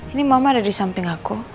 ini mama ada di samping aku